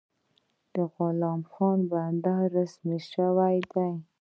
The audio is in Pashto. د غلام خان بندر رسمي شوی دی؟